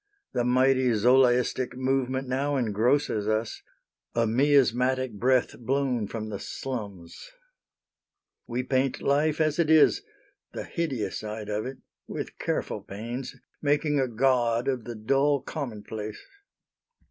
The mighty Zolaistic Movement now Engrosses us a miasmatic breath Blown from the slums. We paint life as it is, The hideous side of it, with careful pains, Making a god of the dull Commonplace.